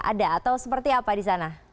ada atau seperti apa di sana